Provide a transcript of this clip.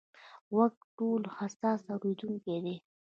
غوږ ټولو حساس اورېدونکی دی.